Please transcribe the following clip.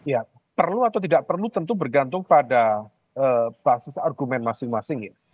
ya perlu atau tidak perlu tentu bergantung pada basis argumen masing masing ya